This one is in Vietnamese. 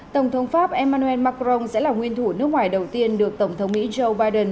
tổng thống pháp emmanuel macron sẽ là nguyên thủ nước ngoài đầu tiên được tổng thống mỹ joe biden